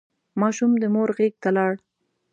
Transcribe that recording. ماشوم د مور غېږ ته لاړ.